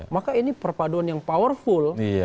maka ini perpaduan yang powerful